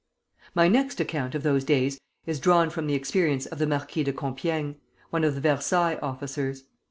My next account of those days is drawn from the experience of the Marquis de Compiègne, one of the Versailles officers.